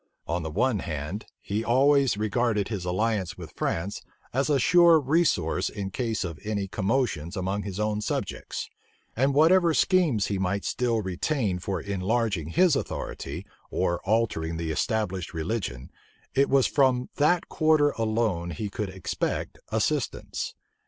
On the one hand, he always regarded his alliance with France as a sure resource in case of any commotions among his own subjects; and whatever schemes he might still retain for enlarging his authority, or altering the established religion, it was from that quarter alone he could expect assistance.